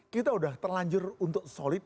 kita sudah terlanjur untuk solid